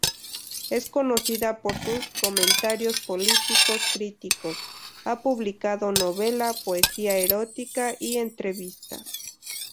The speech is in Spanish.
Es conocida por sus comentarios políticos críticos, ha publicado novela, poesía erótica y entrevistas.